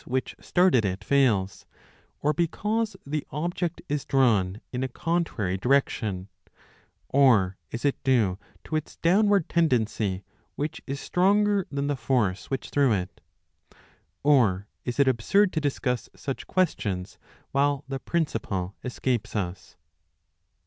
Reading with Capelle evddaf for to 8s8 a MECHANICA started it fails, or because the object is drawn in a contrary J 5 direction, or is it due to its downward tendency, which is stronger than the force which threw it ? Or is it absurd to discuss such questions, while the principle escapes us